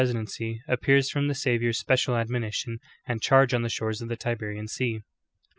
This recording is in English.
idency, appears from the Savior's special admonition and charge on the shores of the Tiberian sea."